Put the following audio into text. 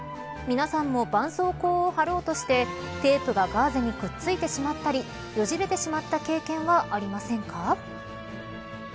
皆さんもばんそうこうを貼ろうとしてテープがガーゼにくっついてしまったりよじれてしまった経験はありませんか。